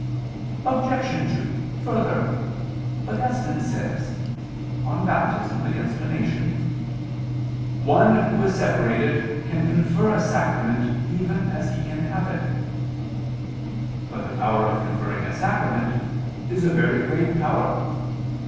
Obj. 2: Further, Augustine says (De Unico Bapt. [*De Bap. contra Donat. vi, 5]): "One who is separated can confer a sacrament even as he can have it." But the power of conferring a sacrament is a very great power.